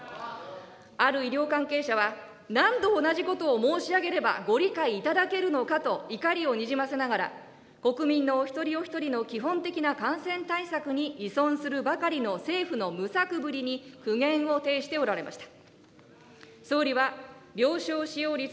ある医療関係者は、何度同じことを申し上げればご理解いただけるのかと怒りをにじませながら、国民のお一人お一人の基本的な感染対策に依存するばかりの政府の無策ぶりに、苦言を呈しておられました。